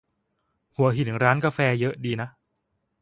หัวหินร้านกาแฟเยอะดีนะ